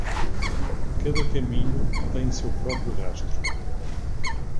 Cada caminho tem seu próprio rastro.